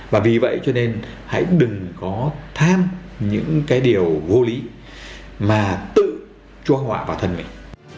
và vì vậy cho nên hãy đừng có tham những cái điều vô lý mà tự chua họa vào thân mình